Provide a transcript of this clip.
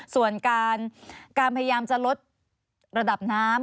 ส่วนการพยายามจะลดระดับน้ำ